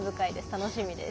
楽しみです。